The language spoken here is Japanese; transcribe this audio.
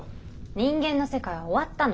人間の世界は終わったの。